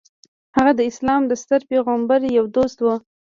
هلته د اسلام د ستر پیغمبر یو دوست و.